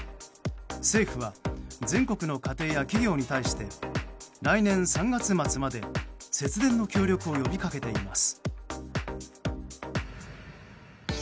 政府は全国の家庭や企業に対して来年３月末まで節電の協力を呼びかけています。